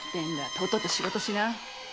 とっとと仕事しな！